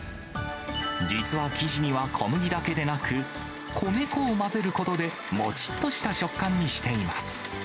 実は生地には小麦だけでなく、米粉を混ぜることで、もちっとした食感にしています。